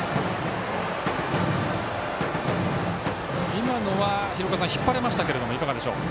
今のは引っ張りましたけどいかがでしょう。